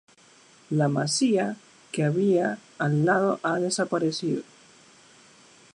La masía que había al lado ha desaparecido.